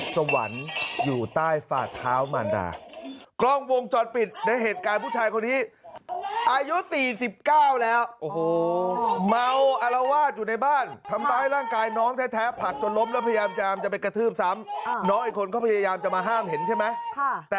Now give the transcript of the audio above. สวรรค์อยู่ใต้เท้ามารดาจริงนะ